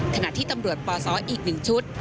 ขณะที่ตำรวจปซอีกหนึ่งชุด